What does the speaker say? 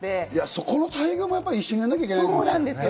そこの待遇も一緒にやらなきゃいけないですね。